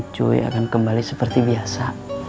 cuy akan kembali seperti biasa